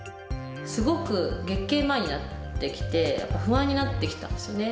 すごく月経前になってきて、不安になってきたんですよね。